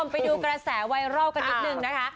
ไปดูกระแสไวรัลกันนิดนึงนะคะ